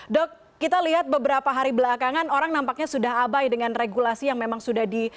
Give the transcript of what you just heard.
dok kita lihat beberapa hari belakangan orang nampaknya sudah abai dengan regulasi yang memang sudah di